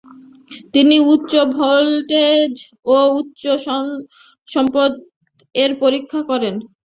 তিনি উচ্চ ভোল্টেজ ও উচ্চ স্পন্দন এর পরিক্ষা করেন।